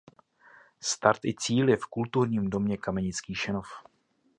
Start i cíl je v kulturním domě Kamenický Šenov.